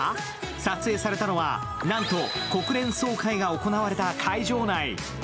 撮影されたのは、なんと国連総会が行われた会場内。